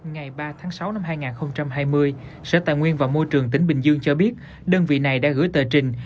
ngày ba tháng sáu năm hai nghìn hai mươi sở tài nguyên và môi trường tỉnh bình dương cho biết đơn vị này đã gửi tờ trình